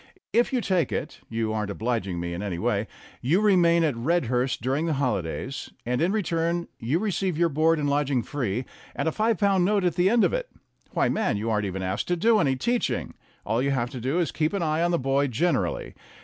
If you take it you aren't obliging me in any way you remain at Redhurst during the holidays, and in return you receive your board and lodging free and a five pound note at the end of it. Why, man, you aren't even asked to do any teaching; all you have to do is to keep an eye on the boy gener ally.